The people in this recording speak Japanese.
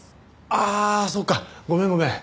あーそっかごめんごめん。